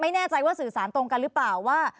ไม่แน่ใจว่าสื่อสารตรงกันหรือเปล่าว่า